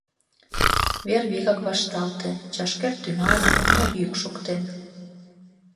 Вер вигак вашталте: чашкер тӱҥале, эҥер йӱк шоктен.